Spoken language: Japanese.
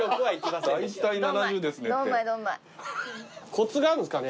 コツがあるんですかね